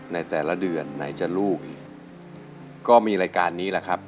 ในแต่ละเดือนไหนจะลูกอีกก็มีรายการนี้แหละครับ